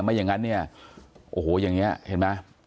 ไม่อย่างนั้นเนี่ยโอ้โหอย่างนี้เห็นไหม